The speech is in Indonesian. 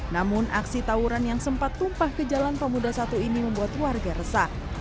namun aksi tawuran yang sempat tumpah ke jalan pemuda satu ini membuat warga resah